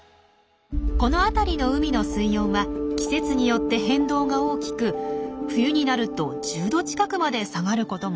この辺りの海の水温は季節によって変動が大きく冬になると１０℃近くまで下がることもあります。